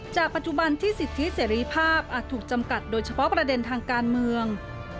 จากปัจจุบันที่สิทธิเสรีภาพอาจถูกจำกัดโดยเฉพาะประเด็นทางการเมือง